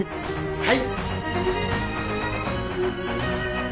はい！